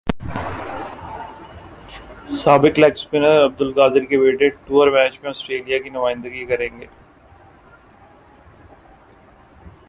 سابق leg spinner Abdul Qadir کے بیٹے ٹورمیچ میں اسٹریلیا کی نمائندگی کریں گے